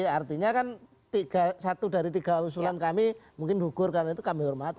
artinya kan satu dari tiga usulan kami mungkin gugur karena itu kami hormati